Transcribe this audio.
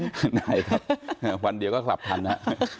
ได้ครับวันเดียวก็กลับทันนะ